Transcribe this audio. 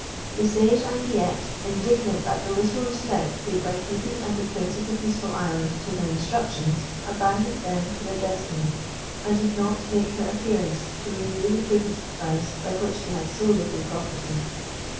The sage Anguillette, indignant at the little respect paid by Hebe and the Prince of the Peaceful Island to her instructions, abandoned them to their destiny, and did not make her appearance to renew the prudent advice by which they had so little profited.